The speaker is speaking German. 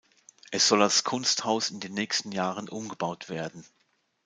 Es soll als Kunsthaus in den nächsten Jahren umgebaut werden.